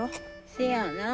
せやなあ。